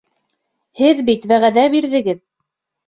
Һеҙ бит вәғәҙә бирҙегеҙ...